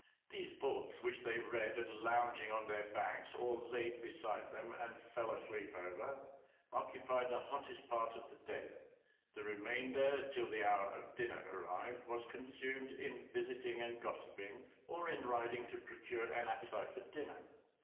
These books, which they read lounging on their backs, or laid beside them and fell asleep over, occupied the hottest part of the day; the remainder, till the hour of dinner arrived, was consumed in visiting and gossiping, or in riding to procure an appetite for dinner.